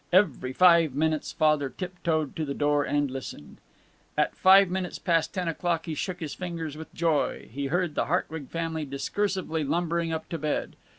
Every five minutes Father tiptoed to the door and listened. At five minutes past ten he shook his fingers with joy. He heard the Hartwig family discursively lumbering up to bed.